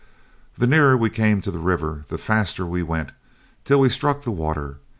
The nearer we came to the river, the faster we went, till we struck the water.